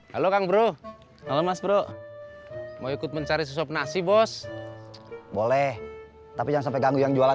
halo bro halo masbro mau ikut mencari sosok nasi bos boleh tapi jangan sampai ganggu yang jualan